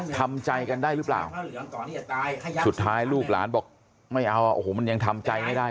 ทำใจกันได้หรือเปล่าสุดท้ายลูกหลานบอกไม่เอาโอ้โหมันยังทำใจไม่ได้